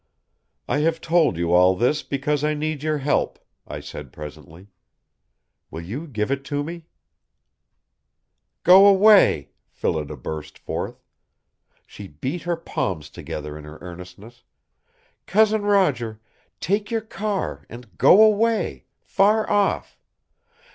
"I have told you all this because I need your help," I said presently. "Will you give it to me?" "Go away!" Phillida burst forth. She beat her palms together in her earnestness. "Cousin Roger, take your car and go away far off!